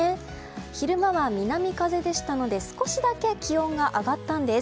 昼間は南風でしたので少しだけ気温が上がったんです。